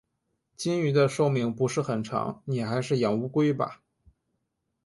金鱼的寿命不是很长，你还是养乌龟吧。